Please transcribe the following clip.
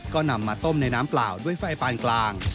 ก็นำมาต้มในน้ำเปล่าด้วยไฟปานกลาง